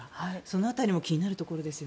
その辺りも気になるところです。